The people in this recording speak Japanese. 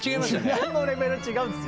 受難のレベル違うんです。